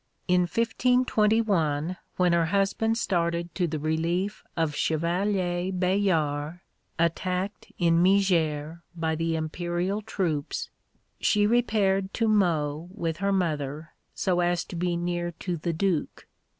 In 1521, when her husband started to the relief of Chevalier Bayard, attacked in Mézières by the Imperial troops, she repaired to Meaux with her mother so as to be near to the Duke.